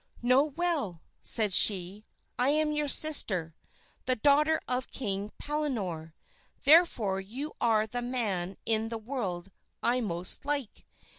"Know well," said she, "I am your sister, the daughter of King Pellinore; therefore you are the man in the world I most like.